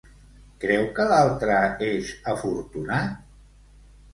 Creu que l'altre és afortunat?